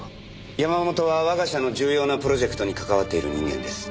山本は我が社の重要なプロジェクトに関わっている人間です。